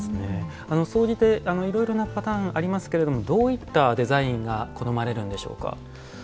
総じていろいろなパターンがありますけれどもどういったデザインが好まれるんでしょうか？